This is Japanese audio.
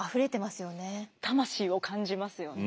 魂を感じますよね。